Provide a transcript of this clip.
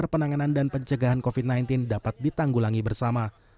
penanganan dan pencegahan covid sembilan belas dapat ditanggulangi bersama